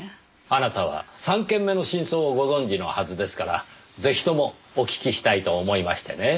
あなたは３件目の真相をご存じのはずですからぜひともお聞きしたいと思いましてねぇ。